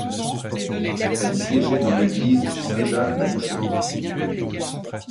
Elle siégeait dans l'église Saint-Jacques-la-Boucherie.